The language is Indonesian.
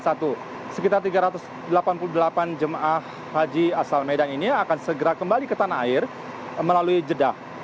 sekitar tiga ratus delapan puluh delapan jemaah haji asal medan ini akan segera kembali ke tanah air melalui jeddah